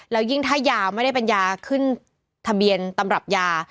แล้วยิ่งถ้ายาวไม่ได้เป็นยาขึ้นทะเบียนตำรับยา